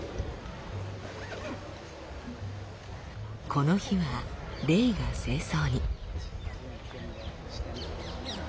この日はレイが正装に。